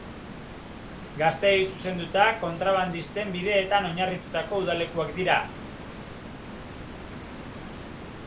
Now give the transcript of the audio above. Gazteei zuzenduta, kontrabandisten bideetan oinarritutako udalekuak dira.